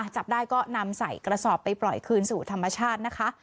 จับได้ก็นำใส่กระสอบไปปล่อยคืนสู่ธรรมชาตินะคะ